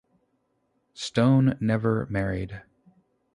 Stone never married.